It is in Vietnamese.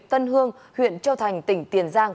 tân hương huyện châu thành tỉnh tiền giang